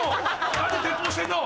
何で鉄砲してんの！